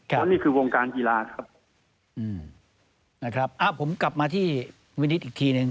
เพราะนี่คือวงการกีฬาครับนะครับผมกลับมาที่วินิตอีกทีหนึ่ง